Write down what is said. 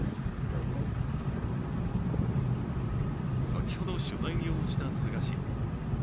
先ほど取材に応じた菅氏。